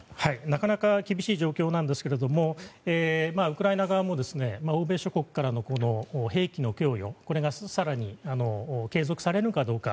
なかなか厳しい状況なんですけどウクライナ側も欧米諸国からの兵器の供与が更に継続されるかどうか。